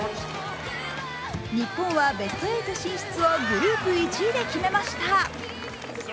日本はベスト８進出をグループ１位で決めました。